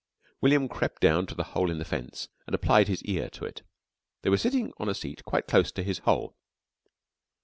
William crept down to the hole in the fence and applied his ear to it. They were sitting on a seat quite close to his hole.